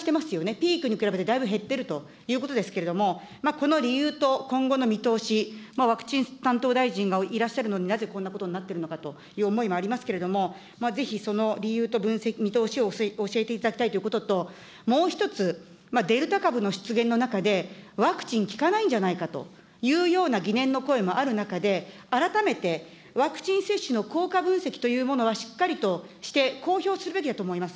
ピークに比べてだいぶ減っているということですけれども、この理由と今後の見通し、ワクチン担当大臣がいらっしゃるのに、なぜこんなことになってるのかという思いもありますけれども、ぜひその理由と見通しを教えていただきたいということと、もう一つ、デルタ株の出現の中で、ワクチン効かないんじゃないかというような疑念の声もある中で、改めてワクチン接種の効果分析というものはしっかりとして、公表するべきだと思います。